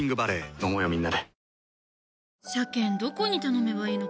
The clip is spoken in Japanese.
飲もうよみんなで。